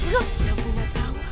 yang punya sawah